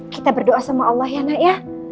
kita berdoa sama allah ya nay